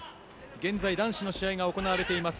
現在男子の試合が行われています。